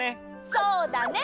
そうだね。